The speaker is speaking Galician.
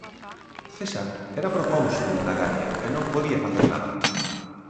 César era procónsul na Galia e non podía facer nada.